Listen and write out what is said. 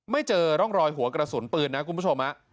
เจอร่องรอยหัวกระสุนปืนนะคุณผู้ชม